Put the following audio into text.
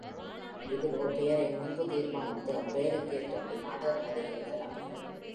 இதிலோ பெயரை முன்பு தீர்மானித்து, அப்பெயருக் கேற்றபடி, நாடகக் கதையை எழுதலானேன்!